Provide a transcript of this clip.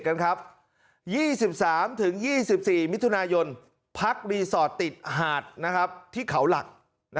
กันครับ๒๓๒๔มิถุนายนพักรีสอร์ทติดหาดที่เขาหลัก